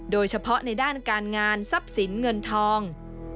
โดยเฉพาะในด้านการงานทรัพย์สินเงินทอง